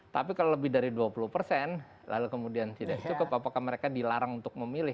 tapi kalau lebih dari dua puluh persen lalu kemudian tidak cukup apakah mereka dilarang untuk memilih